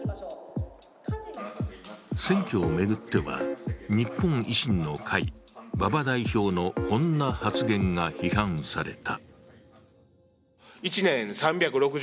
選挙を巡っては、日本維新の会馬場代表のこんな発言が批判された。